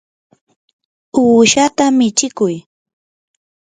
uushata michikuy.